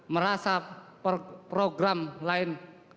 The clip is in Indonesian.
merasa program lain